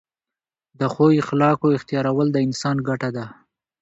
د ښو اخلاقو احتیارول د انسان ګټه ده.